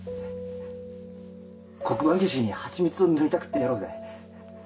「黒板消しにハチミツを塗りたくってやろうぜ」。